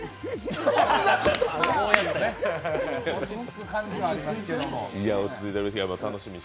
落ち着く感じはありますけども。